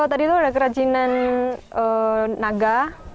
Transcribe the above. kalau tadi itu ada kerajinan naga